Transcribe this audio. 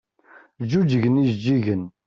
Ǧǧuǧgen yijeǧǧigen.